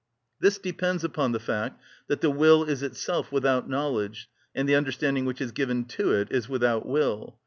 This depends upon the fact that the will is itself without knowledge, and the understanding which is given to it is without will.